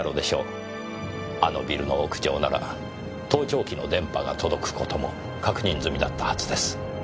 あのビルの屋上なら盗聴器の電波が届く事も確認済みだったはずです。